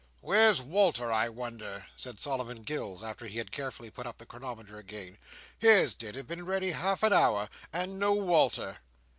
"Where's Walter, I wonder!" said Solomon Gills, after he had carefully put up the chronometer again. "Here's dinner been ready, half an hour, and no Walter!"